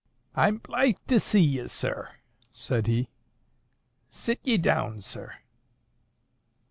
"I'm blithe to see ye, sir," said he. "Sit ye down, sir."